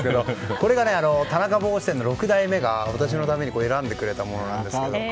これが、田中帽子店の６代目が私のために選んでくれたものなんですが。